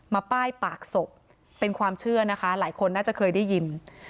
ป้ายปากศพเป็นความเชื่อนะคะหลายคนน่าจะเคยได้ยิน